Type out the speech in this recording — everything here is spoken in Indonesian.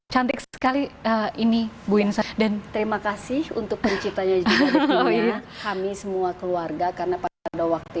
cantik sekali ini bu insa dan terima kasih untuk penciptanya juga kami semua keluarga karena pada waktu